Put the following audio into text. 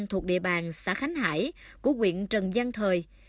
thuộc địa bàn xã khánh hải của quyện trần giang thời